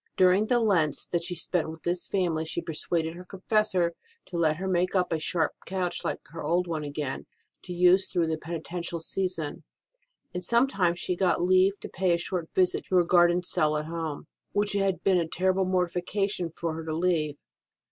During the Lents that she spent with this 170 ST. ROSE OF LIMA family she persuaded her confessor to let her make up a sharp couch like her old one again to use through the penitential season ; and sometimes she got leave to pay a short visit to her garden cell at home, which it had been a terrible mortifi cation to her to leave.